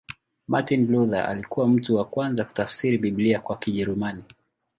Martin Luther alikuwa mtu wa kwanza kutafsiri Biblia kwa Kijerumani.